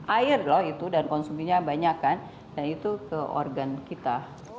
air loh itu dan konsumsinya banyak kan dan itu ke organ kita